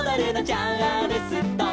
「チャールストン」